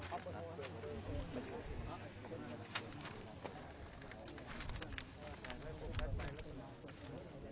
ไหมไหมหาดูดิ